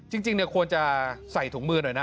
จริงควรจะใส่ถุงมือหน่อยนะ